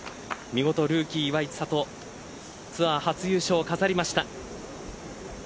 見事ルーキー岩井千怜ツアー初優勝を飾りました。